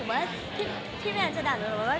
ไม่นี่ก็บอกค่ะว่าเธอไม่ใช่บอกว่าที่แมนจะดัด